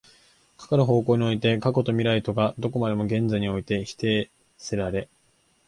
かかる方向において過去と未来とがどこまでも現在において否定せられ、